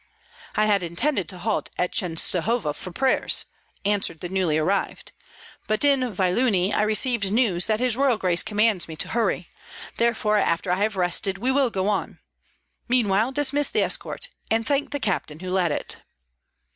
"I had intended to halt at Chenstohova for prayers," answered the newly arrived, "but in Vyelunie I received news that his Royal Grace commands me to hurry; therefore, after I have rested, we will go on. Meanwhile dismiss the escort, and thank the captain who led it."